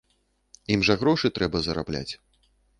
Ім жа грошы трэба зарабляць.